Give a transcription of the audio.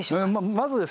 まずですね